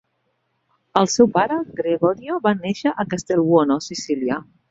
El seu pare, Gregorio, va néixer a Castelbuono, Sicília.